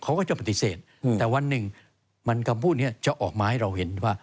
เขาก็จะปฏิเสธแต่วันหนึ่งมันคำพูดนี้จะออกมาให้เราเห็นว่า